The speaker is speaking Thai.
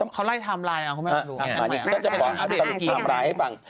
เขาไล่ไทม์ไลน์